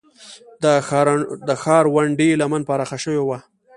د ښارونډۍ لمن پراخه شوې وه